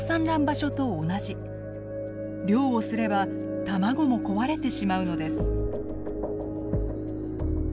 漁をすれば卵も壊れてしまうのです。